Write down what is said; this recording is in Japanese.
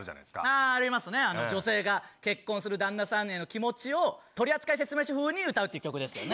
ああ、ありますね、女性が結婚する旦那さんへの気持ちを、取り扱い説明書風に歌うという曲ですよね。